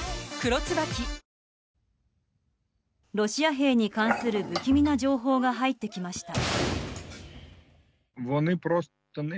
ロシア兵に関する不気味な情報が入ってきました。